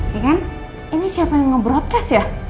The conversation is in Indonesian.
ya kan ini siapa yang nge broadcast ya